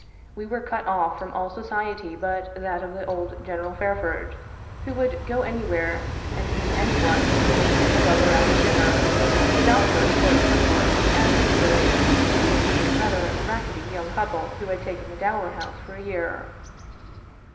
We were cut oflf from all society but that of old General Fairford, who would go anywhere and meet anyone to get a rubber after dinner ; the doctor, a sporting widower ; and the Duberlys, a giddy, rather rackety young couple who had taken the Dower House for a year.